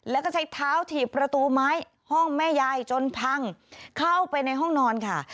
แล้วก็ใช้เท้าถีบประตูไม้ห้องแม่ยายจนพังเข้าไปในห้องนอนค่ะ